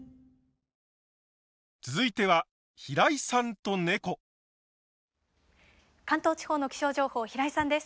続いては関東地方の気象情報平井さんです。